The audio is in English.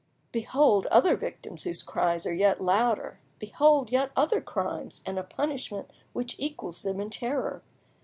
Behold other victims whose cries are yet louder, behold yet other crimes and a punishment which equals them in terror!